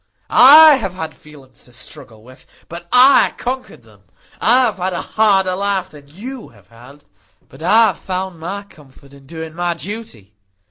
I have had feelings to struggle with; but I conquered them. I have had a harder life than you have had; but I have found my comfort in doing my duty.